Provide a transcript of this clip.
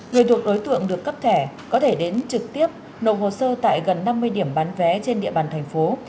người thuộc đối tượng được cấp thẻ có thể đến trực tiếp nộp hồ sơ tại gần năm mươi điểm bán vé trên địa bàn thành phố